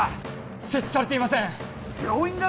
設置されていません病院だろ！？